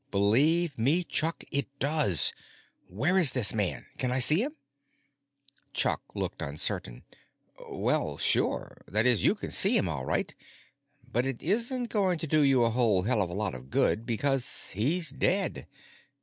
"Believe me, Chuck, it does! Where is this man—can I see him?" Chuck looked uncertain. "Well, sure. That is, you can see him all right. But it isn't going to do you a whole hell of a lot of good, because he's dead.